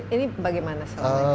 ini bagaimana soalnya